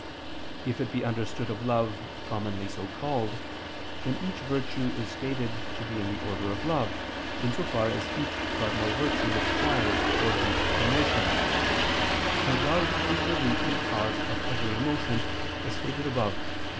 If it be understood of love, commonly so called, then each virtue is stated to be the order of love, in so far as each cardinal virtue requires ordinate emotions; and love is the root and cause of every emotion, as stated above (Q.